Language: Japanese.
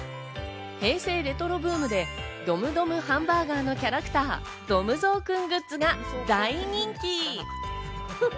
平成レトロブームでドムドムハンバーガーのキャラクター・どむぞうくんグッズが大人気。